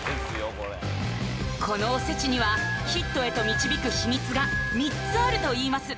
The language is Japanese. これこのおせちにはヒットへと導く秘密が３つあるといいます